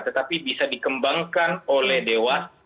tetapi bisa dikembangkan oleh dewas